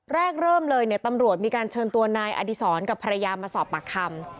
เริ่มเลยเนี่ยตำรวจมีการเชิญตัวนายอดีศรกับภรรยามาสอบปากคำ